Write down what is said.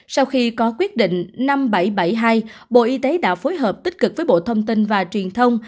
sau khi có quyết định năm nghìn bảy trăm bảy mươi hai bộ y tế đã phối hợp tích cực với bộ thông tin và truyền thông